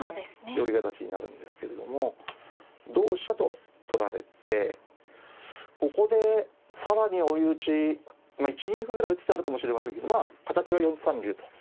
寄り形になるんですけれども同飛車と取られてここで更に追い打ち１二歩ぐらい打つ手あるかもしれませんけどまあ形は４三竜と。